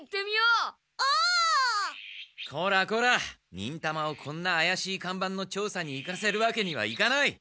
忍たまをこんなあやしい看板の調査に行かせるわけにはいかない。